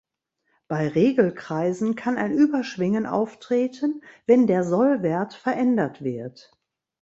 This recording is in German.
Bei Regelkreisen kann ein Überschwingen auftreten, wenn der Sollwert verändert wird.